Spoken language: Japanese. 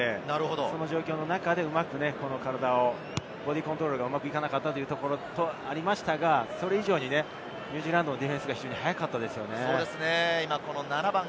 その状況の中でうまく体をボディーコントロールがうまくいかなかったところがありましたが、それ以上にニュージーランドのディフェンスが速かったです。